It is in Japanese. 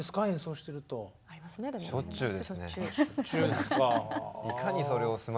しょっちゅうですね。